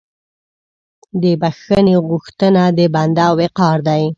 د بخښنې غوښتنه د بنده وقار دی.